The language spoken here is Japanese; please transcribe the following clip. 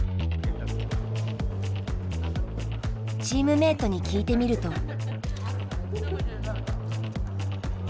チームメートに聞いてみると。